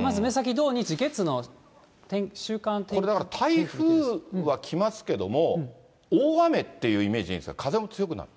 まず目先、土、日、これ、台風は来ますけども、大雨というイメージありますけれども、風も強くなる？